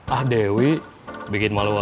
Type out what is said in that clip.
ah dewi bikin malu aja